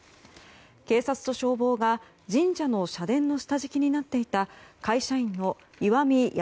警察と消防が神社の社殿の下敷きになっていた会社員の石見安